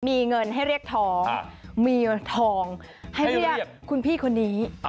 มีเงินให้เรียกท้องมีทองให้เรียกคุณพี่คนนี้